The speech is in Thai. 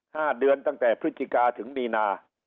ห้าเดือนตั้งแต่พฤศจิกาถึงมีนา